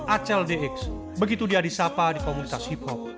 acl dx begitu dia disapa di komunitas hip hop